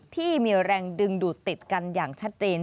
ที่มีแรงดึงดูดติดกันอย่างชัดเจน